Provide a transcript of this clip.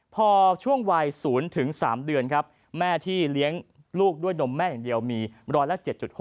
พอช่วงวัย๐๓เดือนครับแม่ที่เลี้ยงลูกด้วยนมแม่อย่างเดียวมีร้อยละ๗๖